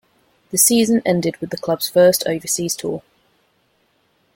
The season ended with the club's first overseas tour.